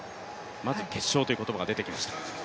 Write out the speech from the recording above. まず決勝という言葉が出てきました。